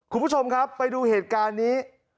คุณผู้ชมครับไปดูเหตุการณ์นี้